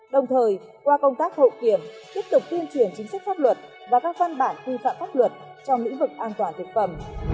đồng thời qua công tác hậu kiểm tiếp tục tuyên truyền chính sách pháp luật và các văn bản quy phạm pháp luật trong lĩnh vực an toàn thực phẩm